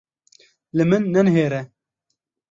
Li min nenihêre!